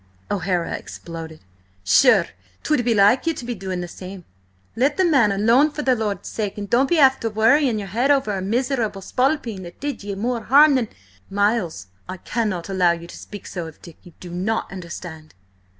O'Hara exploded. "Sure, 'twould be like you to be doing the same. Let the man alone for the Lord's sake, and don't be after worrying your head over a miserable spalpeen that did ye more harm than—" "Miles, I cannot allow you to speak so of Dick! You do not understand."